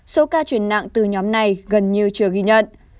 số ca chuyển nặng từ nhóm này gần như chưa ghi nhận